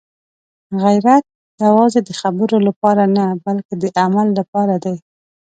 غیرت یوازې د خبرو لپاره نه، بلکې د عمل لپاره دی.